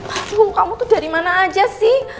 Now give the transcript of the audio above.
kamu kamu tuh dari mana aja sih